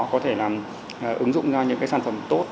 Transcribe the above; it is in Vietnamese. có thể ứng dụng ra những sản phẩm tốt